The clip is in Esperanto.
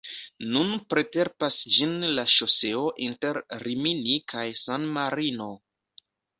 Nun preterpasas ĝin la ŝoseo inter Rimini kaj San-Marino.